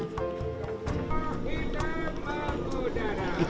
bambu kertas lem dan benang